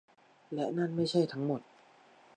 และนั่นไม่ใช่ทั้งหมด